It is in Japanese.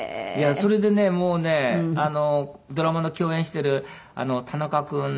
それでねもうねドラマの共演してる田中君なんかに。